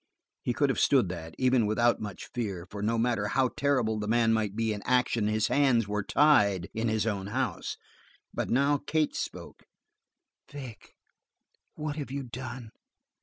He could have stood that, even without much fear, for no matter how terrible the man might be in action his hands were tied in his own house; but now Kate spoke: "Vic, what have you done?"